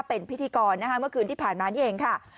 เป็นพิธีกรเมื่อคืนที่ผ่านมานี่เองค่ะ